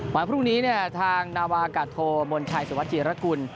มาพรุ่งนี้เนี่ยทางนาวากาโธมนชัยสวัสดิ์รกุล